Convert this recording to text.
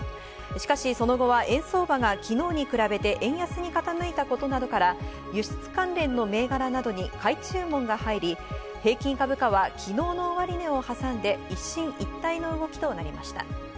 しかし、その後は円相場が昨日に比べて円安に傾いたことなどから、輸出関連の銘柄などに買い注文が入り、平均株価は昨日の終値を挟んで、一進一退の動きとなりました。